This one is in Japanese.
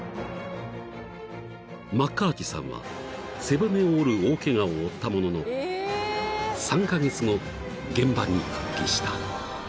［マッカーティさんは背骨を折る大ケガを負ったものの３カ月後現場に復帰した］